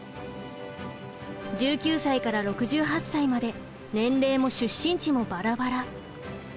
１９歳から６８歳まで年齢も出身地もバラバラ。